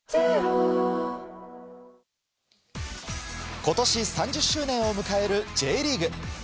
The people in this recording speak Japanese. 今年３０周年を迎えるＪリーグ。